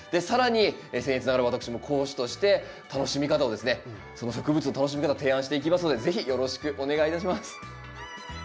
更にせん越ながら私も講師として楽しみ方をですねその植物の楽しみ方提案していきますので是非よろしくお願いいたします。